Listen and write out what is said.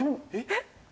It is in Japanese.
えっ？